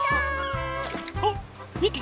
あっみて！